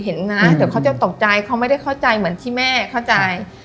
เห็นนะเดี๋ยวเขาจะตกใจเขาไม่ได้เข้าใจเหมือนที่แม่เข้าใจ